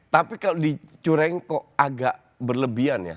tapi kalau dicureng kok agak berlebihan ya